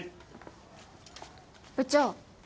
部長。